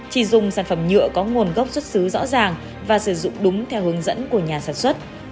chỉ dùng sản phẩm nhựa có nguồn gốc xuất xứ rõ ràng và sử dụng đúng theo hướng dẫn của nhà sản xuất